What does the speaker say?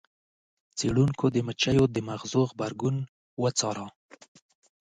څیړونکو د مچیو د ماغزو غبرګون وڅاره.